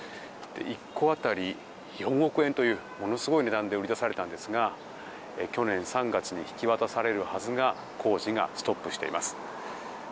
１戸当たり４億円というものすごい値段で売り出されたんですが去年３月に引き渡されるはずが工事がストップしています。